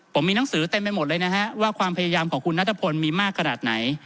ผมมีหนังสือเต็มไปหมดเลยนะฮะว่าความพยายามของคุณนัทพลมีมากขนาดไหน